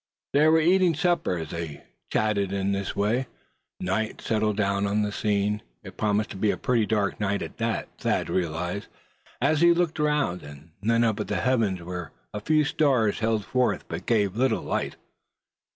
They were eating supper, as they chatted in this way. Night had settled down on the scene. It promised to be a pretty dark night at that, Thad realized, as he looked around him, and then up at the heavens, where a few stars held forth, but gave very little light.